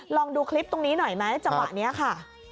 ลองดูคลิปตรงนี้หน่อยไหมจังหวะนี้ค่ะ